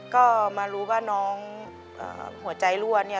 ก็มารู้ว่าน้องหัวใจรั่วเนี่ย